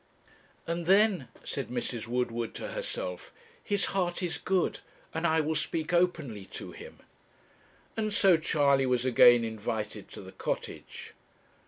'And then,' said Mrs. Woodward to herself, 'his heart is good, and I will speak openly to him.' And so Charley was again invited to the cottage.